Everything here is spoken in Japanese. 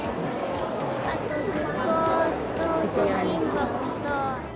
あと図工と貯金箱と。